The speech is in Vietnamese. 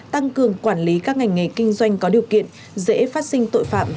tăng cường quản lý các ngành nghề kinh doanh có điều kiện dễ phát sinh tội phạm